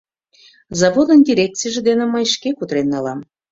Заводын дирекцийже дене мый шке кутырен налам...»